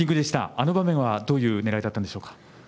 あの場面はどういう狙いだったんでしょうか。